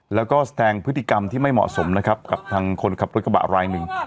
แล้วก็แสดงพฤติกรรมที่ไม่เหมาะสมนะครับกับทางคนขับรถกระบะรายหนึ่ง